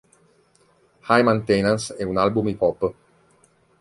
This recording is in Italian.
High Maintenance è un album hip hop.